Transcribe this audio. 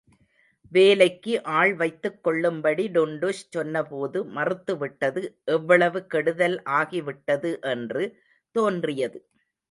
வேலைக்கு ஆள்வைத்துக் கொள்ளும்படி டுன்டுஷ் சொன்னபோது மறுத்துவிட்டது எவ்வளவு கெடுதல் ஆகிவிட்டது என்று தோன்றியது.